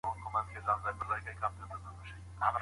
د غړو پرې کول کله اړین وي؟